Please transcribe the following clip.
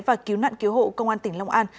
và cứu nạn cứu hộ công an tỉnh long an